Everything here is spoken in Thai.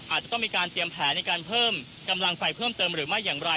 อาจจะต้องมีการเตรียมแผนในการเพิ่มกำลังไฟเพิ่มเติมหรือไม่อย่างไร